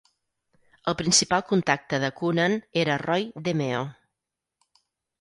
El principal contacte de Coonan era Roy DeMeo.